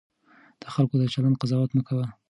د خلکو د چلند قضاوت مه کوه.